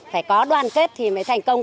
phải có đoàn kết thì mới thành công